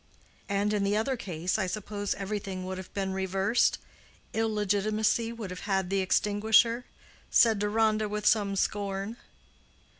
"And, in the other case, I suppose everything would have been reversed—illegitimacy would have had the extinguisher?" said Deronda, with some scorn.